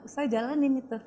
saya jalanin itu